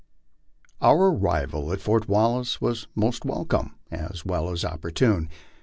Our arrival at Fort Wallace was most welcome as well as opportune.